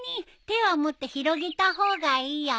手はもっと広げた方がいいよ。